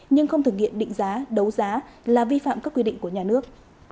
nhưng không thực hiện định giá đấu giá là vi phạm các quy định của nhà nước